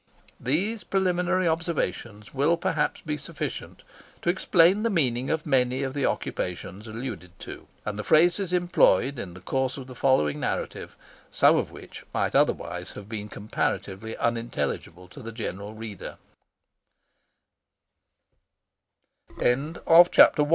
These preliminary observations will perhaps be sufficient to explain the meaning of many of the occupations alluded to, and the phrases employed, in the course of the following narrative, some of which might otherwise have been comparatively unintelligible